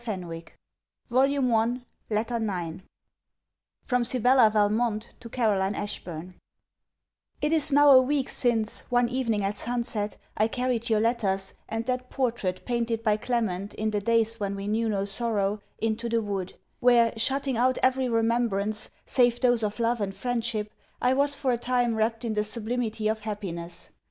CLEMENT MONTGOMERY LETTER IX FROM SIBELLA VALMONT TO CAROLINE ASHBURN It is now a week since, one evening at sunset, I carried your letters, and that portrait painted by Clement in the days when we knew no sorrow, into the wood; where, shutting out every remembrance, save those of love and friendship, I was for a time wrapped in the sublimity of happiness.